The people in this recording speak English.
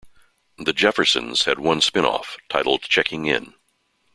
"The Jeffersons" had one spin-off, titled "Checking In".